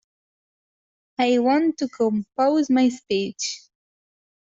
I want to compose my speech.